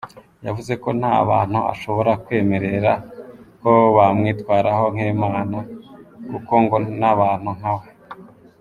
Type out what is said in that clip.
Yavuze ko nta bantu ashobora kwemerera ko bamwitwaraho nk’Imana kuko ngon’abantu nkawe.